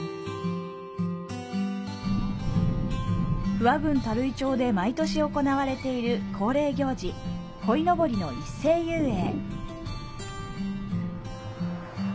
不破郡垂井町で毎年行われている恒例行事、鯉のぼりの一斉遊泳。